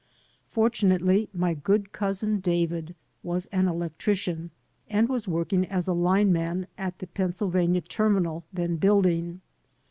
Fortunately my good cousin David was an electrician and was working as a lineman at the Pennsylvania Terminal, then building.